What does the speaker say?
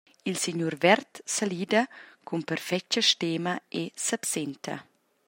Il signur verd salida cun perfetga stema e s’absenta.